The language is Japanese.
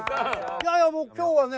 いやいやもう今日はね